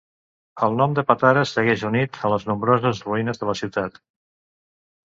El nom de Patara segueix unit a les nombroses ruïnes de la ciutat.